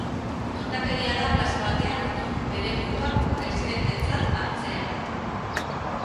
Tontakeria da plaza batean nork bere burua presidentetzat hartzea.